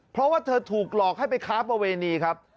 เพราะว่าเธอถูกหลอกให้ไปค้าประเวณีครับ